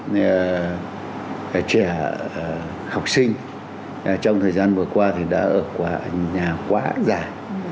vì trẻ học sinh trong thời gian vừa qua thì đã ở nhà quá dài